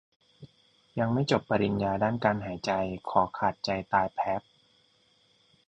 ยังไม่จบปริญญาด้านการหายใจ ขอขาดใจตายแพพ